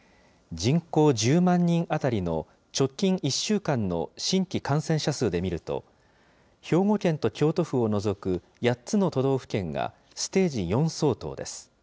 人口１０万人当たりの直近１週間の新規感染者数で見ると、兵庫県と京都府を除く８つの都道府県がステージ４相当です。